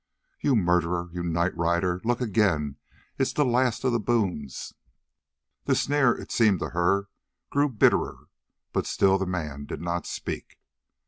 "You murderer, you night rider! Look again: it's the last of the Boones!" The sneer, it seemed to her, grew bitterer, but still the man did not speak.